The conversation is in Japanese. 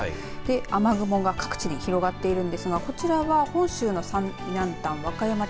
雨雲が各地に広がっているんですがこちらが本州の最南端